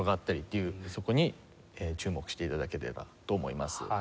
そこに注目して頂ければと思います。